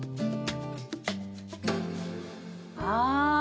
ああ。